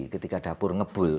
ketika dapur ngebul